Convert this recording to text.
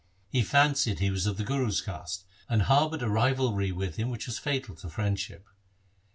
He fancied he was of the Guru's caste, and harboured a rivalry with him which was fatal to friendship.